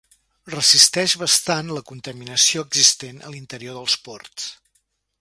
Resisteix bastant la contaminació existent a l'interior dels ports.